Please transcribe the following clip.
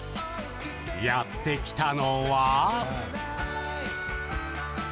やってきたのは。